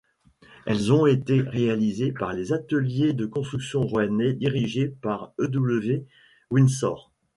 Elles ont été réalisées par les ateliers de construction rouennais dirigés par E-W Windsor.